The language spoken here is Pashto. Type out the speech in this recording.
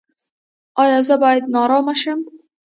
ایا زه باید نارامه شم؟